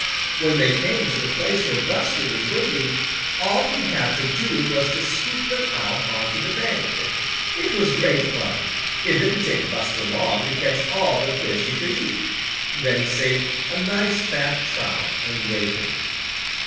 When they came to the place where Buster was waiting, all he had to do was to scoop them out on to the bank. It was great fun. It didn't take Buster long to catch all the fish he could eat. Then he saved a nice fat trout and waited.